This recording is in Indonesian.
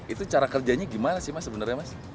itu cara kerjanya gimana sih mas sebenarnya mas